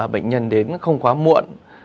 bệnh nhân đến không quá muộn